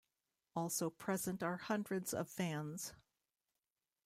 Also present are hundreds of fans.